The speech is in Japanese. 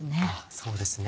そうですね。